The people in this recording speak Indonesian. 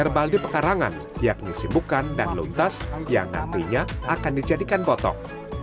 dan herbal di pekarangan yakni simbukan dan luntas yang nantinya akan dijadikan potok